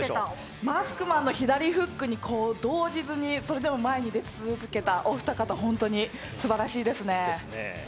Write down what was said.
マスクマンの左フックに動じずにそれでも前に出続けたお二人、すばらしいですね。